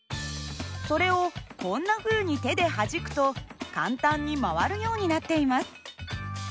それをこんなふうに手ではじくと簡単に回るようになっています。